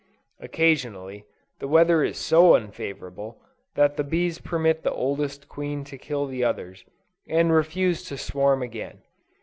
Occasionally, the weather is so unfavorable, that the bees permit the oldest queen to kill the others, and refuse to swarm again.